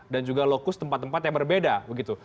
dan juga lokus tempat tempat yang berbeda begitu